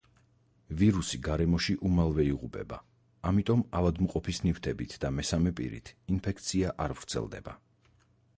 ვირუსი გარემოში უმალვე იღუპება, ამიტომ ავადმყოფის ნივთებით და მესამე პირით ინფექცია არ ვრცელდება.